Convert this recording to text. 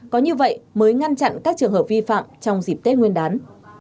có như vậy mới ngăn chặn các trường hợp vi phạm trong dịp tết nguyên đán